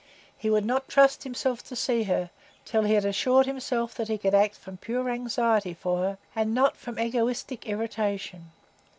He would not trust himself to see her, till he had assured himself that he could act from pure anxiety for her, and not from egoistic irritation.